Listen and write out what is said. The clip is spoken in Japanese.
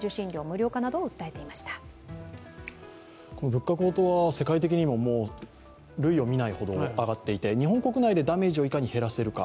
物価高騰は世界的にも類をみないほど上がっていて、日本国内でダメージをいかに減らせるか。